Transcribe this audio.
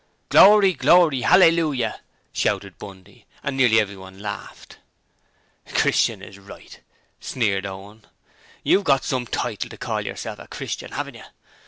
'Glory, glory, hallelujah!' shouted Bundy, and nearly everyone laughed. '"Christian" is right,' sneered Owen. 'You've got some title to call yourself a Christian, haven't you?